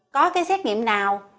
có cái xét nghiệm nào